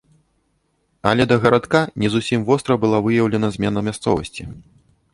Але да гарадка не зусім востра была выяўлена змена мясцовасці.